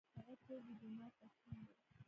هغه کور د جومات تر څنګ و.